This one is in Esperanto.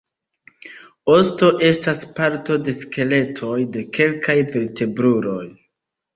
Osto estas parto de skeletoj de kelkaj vertebruloj.